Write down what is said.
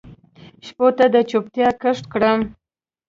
شپو ته د چوپتیا کښت کرم